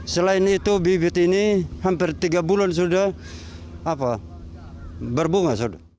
selain itu bibit ini hampir tiga bulan sudah berbunga